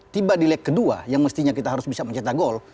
tiba di leg kedua yang mestinya kita harus bisa mencetak gol